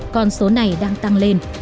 con số này đang tăng lên